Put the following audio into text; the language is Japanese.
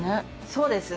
そうですね。